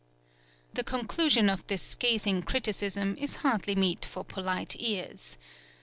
The conclusion of this scathing criticism is hardly meet for polite ears.